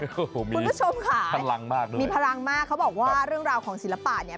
คุณผู้ชมค่ะพลังมากด้วยมีพลังมากเขาบอกว่าเรื่องราวของศิลปะเนี่ย